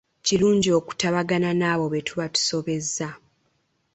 Kirungi okutabagana n'abo be tuba tusobezza.